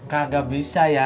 kagak bisa ya